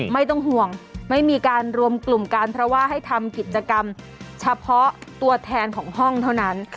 ไม่ต้องห่วงไม่มีการรวมกลุ่มกันเพราะว่าให้ทำกิจกรรมเฉพาะตัวแทนของห้องเท่านั้น